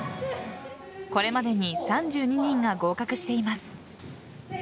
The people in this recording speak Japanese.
これまでに３２人が合格しています。